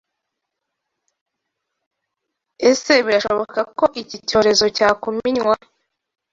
Ese birashoboka ko iki cyorezo cya kuminywa?